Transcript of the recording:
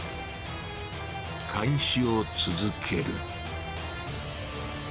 監視を続ける。